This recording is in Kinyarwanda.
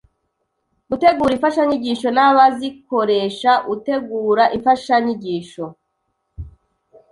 Gutegura imfashanyigisho n’abazikoresha ute g ura imfa s h a n yigis h o